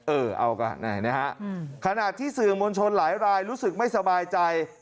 เออเอากันนะฮะขณะที่สื่อมวลชนหลายรายรู้สึกไม่สบายใจ